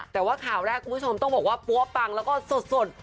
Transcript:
แต่ว่าข่าวแรกคุณผู้ชมต้องบอกว่าปั๊วปังแล้วก็สด